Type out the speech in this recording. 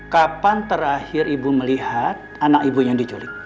kapan terakhir ibu melihat anak ibu yang diculik